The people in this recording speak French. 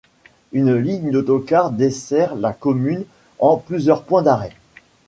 Une ligne d'autocar dessert la commune en plusieurs points d'arrêts.